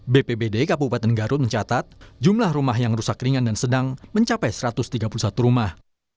bpbd kabupaten garut mencatat jumlah rumah yang rusak ringan dan sedang mencapai satu ratus tiga puluh satu rumah